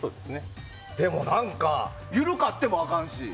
でも、何か緩くてもあかんし。